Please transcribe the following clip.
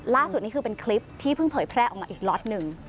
นี่คือเป็นคลิปที่เพิ่งเผยแพร่ออกมาอีกล็อตหนึ่ง